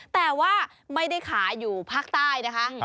แต่ว่าไม่ได้ขายอยู่ภาคใต้นะคะ